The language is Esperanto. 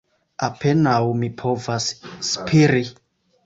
"Apenaŭ mi povas spiri.